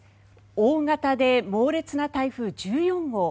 大型で猛烈な台風１４号。